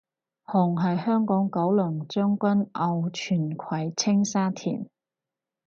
紅係香港九龍將軍澳荃葵青沙田